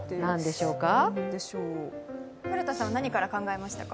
古田さんは何から考えましたか？